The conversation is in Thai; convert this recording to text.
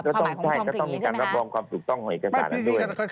ใช่ก็ต้องมีการรับรองความจุดต้องของเอกสารนะด้วย